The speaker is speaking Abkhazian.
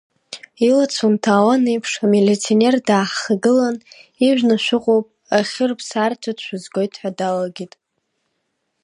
Илацәа нҭаауан еиԥш, амилиционер дааҳхагылан, ижәны шәыҟоуп, ахырԥсаарҭахь шәызгоит ҳәа далагеит.